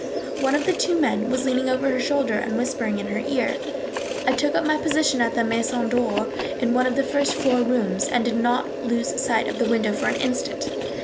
One of the two men was leaning over her shoulder and whispering in her ear. I took up my position at the Maison d'or, in one of the first floor rooms, and did not lose sight of the window for an instant.